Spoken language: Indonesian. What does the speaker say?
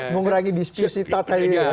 mengurangi dispute nya tadi ya